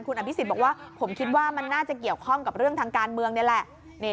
คุณอภิษฎบอกว่าผมคิดว่ามันน่าจะเกี่ยวข้องกับเรื่องทางการเมืองนี่แหละ